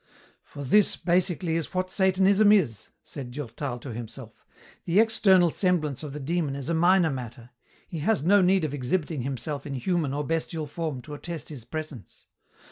"For this, basically, is what Satanism is," said Durtal to himself. "The external semblance of the Demon is a minor matter. He has no need of exhibiting himself in human or bestial form to attest his presence.